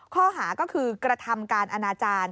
ข้อหาก็คือกระทำการอนาจารย์